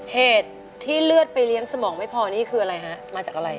เหตุที่เลือดไปเลี้ยงสมองไม่พอนี่คืออะไรฮะมาจากอะไร